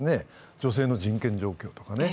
女性の人権状況とかね。